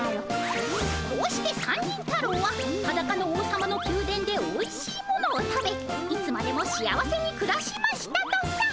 こうして三人太郎はハダカの王様の宮殿でおいしいものを食べいつまでも幸せにくらしましたとさ。